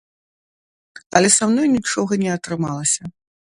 Але са мной нічога не атрымалася.